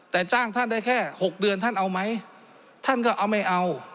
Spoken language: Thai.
แต่จ้างท่านได้แค่๖เดือนท่านเอาไหมท่านก็เอาไม่เอา